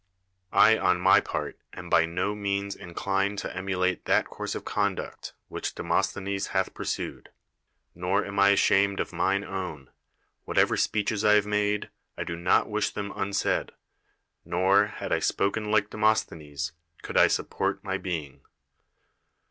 I, on my part, am by no means inclined to emulate that course of conduct which Demos thenes hath pursued ; nor am I ashamed of mine own. Whatever speeches I have made, I do not wish them unsaid; nor, had I spoken like De mosthenes, could I support my being.